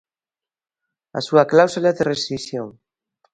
A súa cláusula de rescisión.